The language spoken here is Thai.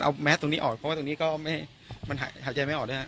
เอาแมสตรงนี้ออกเพราะว่าตรงนี้ก็มันหายใจไม่ออกด้วยนะ